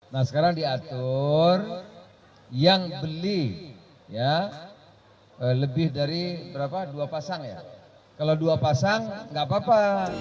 nah sekarang diatur yang beli ya lebih dari berapa dua pasang ya kalau dua pasang nggak apa apa